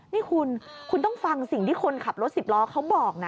นี่คุณคุณต้องฟังสิ่งที่คนขับรถสิบล้อเขาบอกนะ